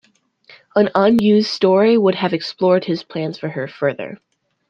An unused story would have explored his plans for her further.